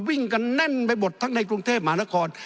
วิ่งกันแน่นไปบดทั้งในกรุงเทพฯมหาหน้าคอร์ด